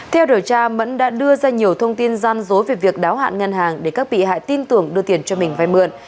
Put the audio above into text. theo điều tra mẫn đã đưa ra nhiều thông tin gian dối về việc đáo hạn ngân hàng để các bị hại tin tưởng đưa tiền cho mình vai mượn